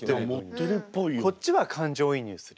こっちは感情移入するよね。